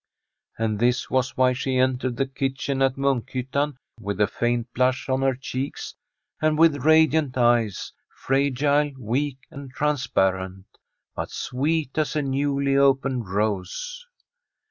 And this was why she entered the kitchen at Munkhyttan with a faint blush on her cheeks, and with radiant eyes, fragile, weak, and transparent, but sweet as a newly opened rose.